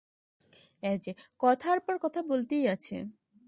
কথার পর কথা বলতেই আছে।